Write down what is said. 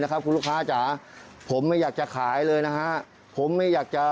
ครับคุณลูกค้าจ๋าผมไม่อยากจะขายเลยนะฮะผมไม่อยากจะ